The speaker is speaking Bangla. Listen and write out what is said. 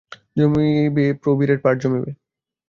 জমিবে, প্রবীরের পার্ট জমিবে।